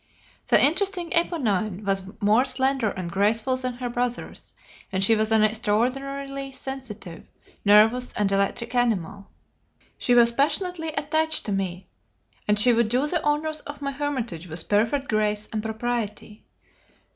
"The interesting Eponine was more slender and graceful than her brothers, and she was an extraordinarily sensitive, nervous, and electric animal. She was passionately attached to me, and she would do the honors of my hermitage with perfect grace and propriety.